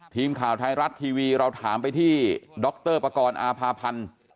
ทีมข่าวไทยรัฐทีวีเราถามไปที่ดรปกรณ์อาภาพันธ์